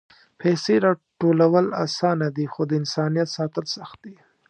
پېسې راټولول آسانه دي، خو د انسانیت ساتل سخت دي.